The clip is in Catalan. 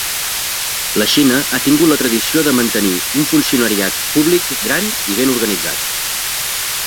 La Xina ha tingut la tradició de mantenir un funcionariat públic gran i ben organitzat.